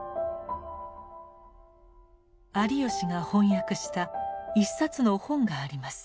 有吉が翻訳した一冊の本があります。